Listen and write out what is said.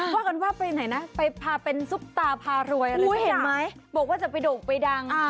ว่ากันว่าไปไหนนะไปพาเป็นซุปตาพารวยอะไรเห็นไหมบอกว่าจะไปโด่งไปดัง